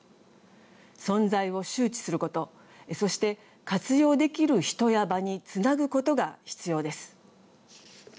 存在を周知することそして活用できる人や場につなぐことが必要です。